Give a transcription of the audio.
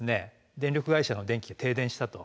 電力会社の電気が停電したと。